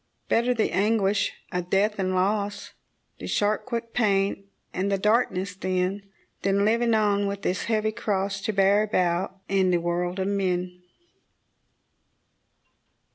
Better the anguish of death and loss, The sharp, quick pain, and the darkness, then, Than living on with this heavy cross To bear about in the world of men.